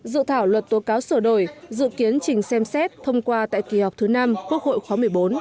dự thảo luật tố cáo sửa đổi dự kiến trình xem xét thông qua tại kỳ họp thứ năm quốc hội khóa một mươi bốn